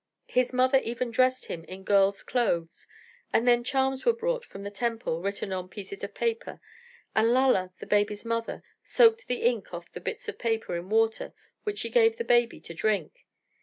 His mother even dressed him in girl's clothes, and then charms were brought from the temple written on pieces of paper, and Lalla, the baby's mother, soaked the ink off the bits of paper in water which she gave the baby to drink.